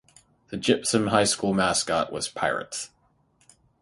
The Gypsum High School mascot was Pirates.